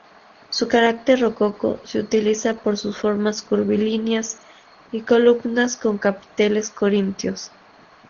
Su caracter rococó se caracteriza por sus formas curvilíneas y columnas con capiteles corintios.